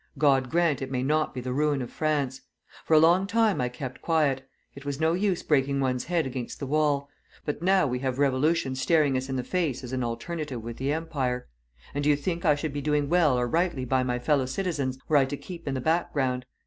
God grant it may not be the ruin of France!... For a long time I kept quiet. It was no use breaking one's head against the wall; but now we have revolution staring us in the face as an alternative with the Empire; and do you think I should be doing well or rightly by my fellow citizens, were I to keep in the background?